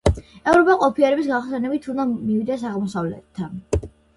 ევროპა ყოფიერების გახსენებით უნდა მივიდეს აღმოსავლეთთან.